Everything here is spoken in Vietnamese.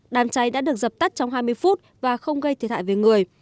đám cháy đã được dập tắt trong hai mươi phút và không gây thiệt hại về người